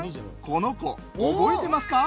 この子、覚えてますか？